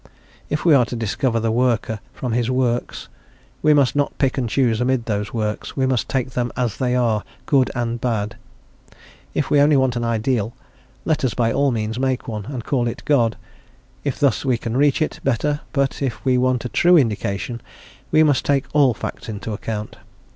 If we are to discover the Worker from his works we must not pick and choose amid those works; we must take them as they are, "good" and "bad." If we only want an ideal, let us by all means make one, and call it God, if thus we can reach it better, but if we want a true induction we must take all facts into account.